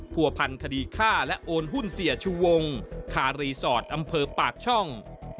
ผัวพันคดีฆ่าและโอนหุ้นเสียชูวงคารีสอร์ทอำเภอปากช่อง